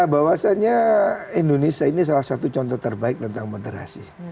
bahwasannya indonesia ini salah satu contoh terbaik tentang moderasi